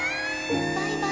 バイバイ。